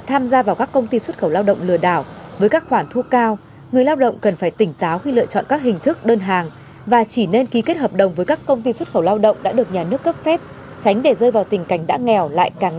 tránh được những bẫy lừa của các công ty xuất khẩu lao động